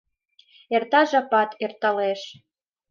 Эрта жапат, эрталеш...